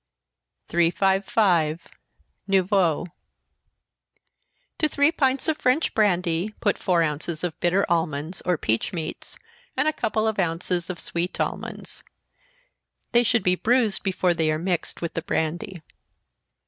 355. Noyeau. To three pints of French brandy, put four ounces of bitter almonds, or peach meats, and a couple of ounces of sweet almonds they should be bruised before they are mixed with the brandy.